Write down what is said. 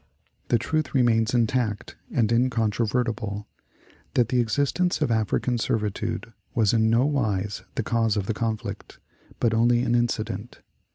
The truth remains intact and incontrovertible, that the existence of African servitude was in no wise the cause of the conflict, but only an incident.